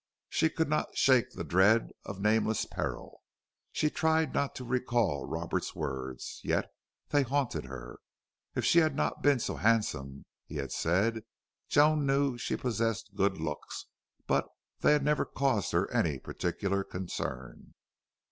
She could not shake the dread of nameless peril. She tried not to recall Roberts's words, yet they haunted her. If she had not been so handsome, he had said! Joan knew she possessed good looks, but they had never caused her any particular concern.